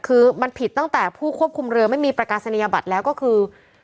คือมันผิดตั้งแต่ผู้ควบคุมเรือไม่มีประกาศนียบัตรแล้วก็คือ